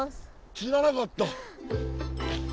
知らなかった。